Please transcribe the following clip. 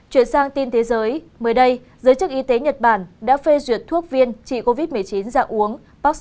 chuyển sang tin thế giới mới đây giới chức y tế nhật bản đã phê duyệt thuốc viên trị covid một mươi chín dạng uống